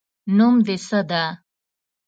نوم د څه ده